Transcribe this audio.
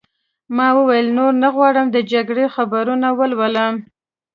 ما وویل: نور نه غواړم د جګړې خبرونه ولولم.